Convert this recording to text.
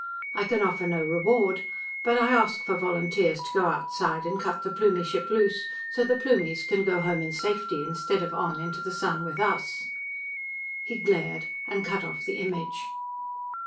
I can offer no reward. But I ask for volunteers to go outside and cut the Plumie ship loose, so the Plumies can go home in safety instead of on into the sun with us!_" He glared, and cut off the image.